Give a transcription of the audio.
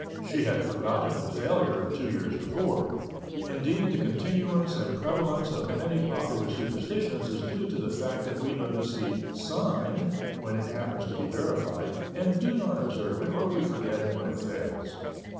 She had forgotten the failure of two years before; indeed, the continuance and prevalence of many popular superstitions is due to the fact that we notice the "sign" when it happens to be verified, and do not observe it, or we forget it, when it fails.